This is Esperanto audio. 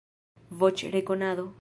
Voĉrekonado